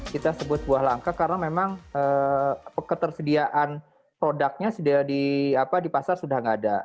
kita sebut buah langka karena memang ketersediaan produknya di pasar sudah tidak ada